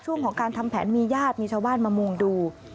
ช่วงของการทำแผนมีญาติมีชาวบ้านมามุ่งดู